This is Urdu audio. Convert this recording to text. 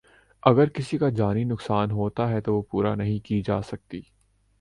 اگر کسی کا جانی نقصان ہوتا ہے تو پورا نہیں کی جا سکتی